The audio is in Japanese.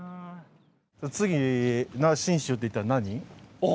次な信州といったら何？